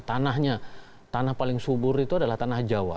tanahnya tanah paling subur itu adalah tanah jawa